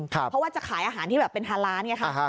เพราะว่าจะขายอาหารที่แบบเป็นฮาล้านไงค่ะ